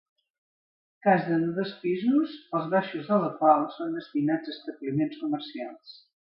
Casa de dos pisos, els baixos de la qual són destinats a establiments comercials.